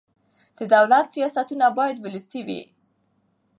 د دولت سیاستونه باید ولسي وي